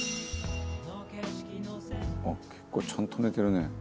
「結構ちゃんと寝てるね」